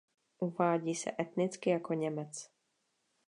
Uvádí se etnicky jako Němec.